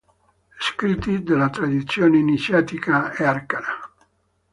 Scritti della Tradizione Iniziatica e Arcana".